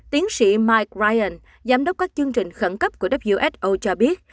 tiến sĩ mike green giám đốc các chương trình khẩn cấp của who cho biết